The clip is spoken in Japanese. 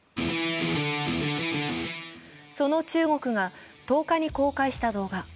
その中国が１０日に公開した様子。